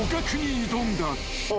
あ。